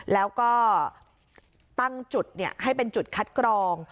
แล้วก็ตั้งจุดให้เป็นจุดคัดกรอง